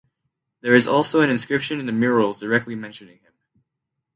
There is also an inscription in the murals directly mentioning him.